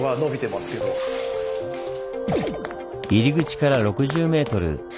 入り口から６０メートル。